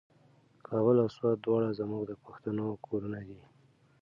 کابل او سوات دواړه زموږ د پښتنو کورونه دي.